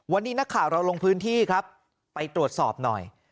วันนี้นักข่าวเราลงพื้นที่ครับไปตรวจสอบหน่อย